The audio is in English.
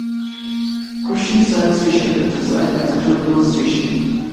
Kristiansand Station is designed as a terminal station.